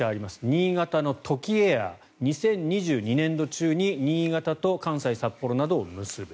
新潟のトキエア２０２２年度中に新潟と関西、札幌などを結ぶ。